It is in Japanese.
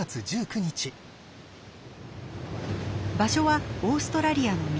場所はオーストラリアの南。